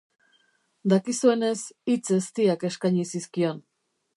Dakizuenez, hitz eztiak eskaini zizkion.